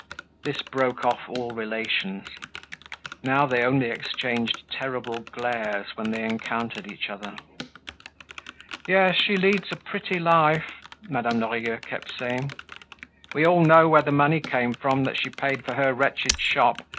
This broke off all relations. Now they only exchanged terrible glares when they encountered each other. "Yes, she leads a pretty life!" Madame Lorilleux kept saying. "We all know where the money came from that she paid for her wretched shop!